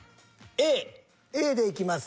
Ａでいきます。